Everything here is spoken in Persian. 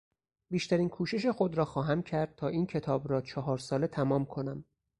بیشترین کوشش خود را خواهم کرد تا این کتاب را چهار ساله تمام کنم.